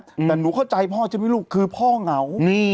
แต่หนูเข้าใจพ่อจะไม่รู้คือพ่อเหงา